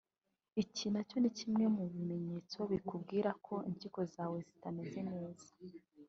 Iki nacyo ni kimwe mu bimenyetso bikubwira ko impyiko zawe zitameze neza